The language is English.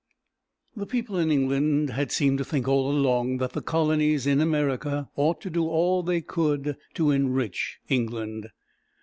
The people in England had seemed to think all along that the colonies in America ought to do all they could to enrich England.